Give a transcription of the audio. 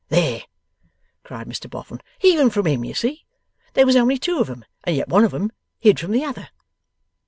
'There!' cried Mr Boffin. 'Even from him, you see! There was only two of 'em, and yet one of 'em hid from the other.